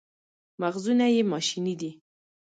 مغزونه یې ماشیني دي.